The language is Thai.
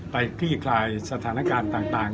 คลี่คลายสถานการณ์ต่าง